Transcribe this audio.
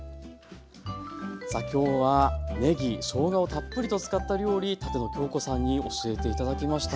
さあ今日はねぎ・しょうがをたっぷりと使った料理舘野鏡子さんに教えて頂きました。